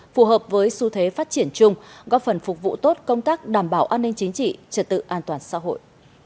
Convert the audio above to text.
phù hợp với xu thế phát triển chung góp phần phục vụ tốt công tác đảm bảo an ninh chính trị trật tự an toàn xã hội